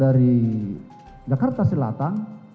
dari jakarta selatan